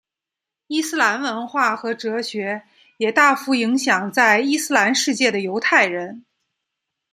伊斯兰文化和哲学也大幅影响在伊斯兰世界的犹太人。